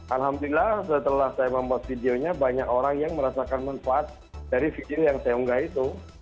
alhamdulillah setelah saya membuat videonya banyak orang yang merasakan manfaat dari video yang saya unggah itu